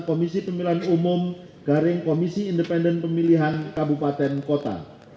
komisi pemilihan umum garing komisi independen pemilihan kabupaten kota